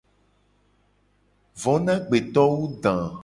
Vo na agbeto wu da.